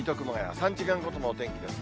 ３時間ごとのお天気ですね。